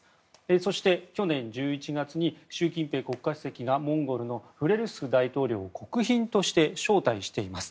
そして、去年１１月に習近平国家主席がモンゴルのフレルスフ大統領を国賓として招待しています。